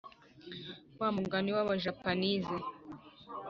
- wa mugani wa japanese